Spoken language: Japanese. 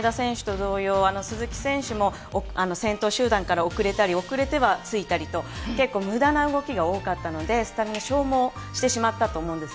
同様、鈴木選手も先頭集団から遅れたり、遅れてはついたりと無駄な動きが多かったので、スタミナを消耗してしまったと思います。